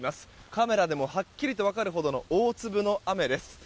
カメラでもはっきりと分かるほどの大粒の雨です。